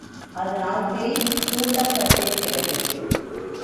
அதனால் திரி தூண்டப்பட்டிருக்கிறது.